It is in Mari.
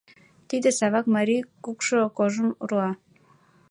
Тиде Савак марий кукшо кожым руа.